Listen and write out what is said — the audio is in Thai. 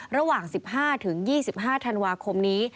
ระหว่าง๑๕๒๕ธันวาคมนี้